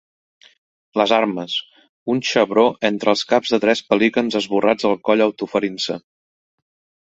Les armes: Un xebró entre els caps de tres pelicans esborrats al coll autoferint-se.